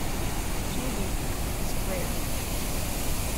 "Chillu-k" is rare.